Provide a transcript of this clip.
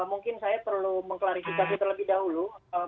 mungkin saya perlu mengklarifikasi terlebih dahulu